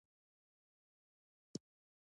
مؤثر ارتباط، د بریالي مدیریت بنسټ دی